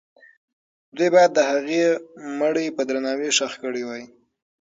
دوی باید د هغې مړی په درناوي ښخ کړی وای.